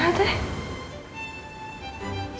kalian tuh jahat ya